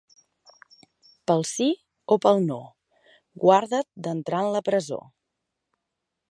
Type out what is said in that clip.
Pel sí o pel no, guarda't d'entrar en la presó.